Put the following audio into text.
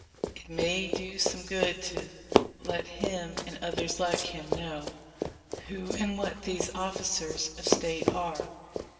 It may do some good to let him, and others like him, know who and what these officers of State are.